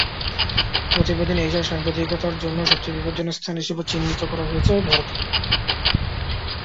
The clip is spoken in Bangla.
প্রতিবেদনে এশিয়ার সাংবাদিকদের জন্য সবচেয়ে বিপজ্জনক স্থান হিসেবে চিহ্নিত করা হয়েছে ভারতকে।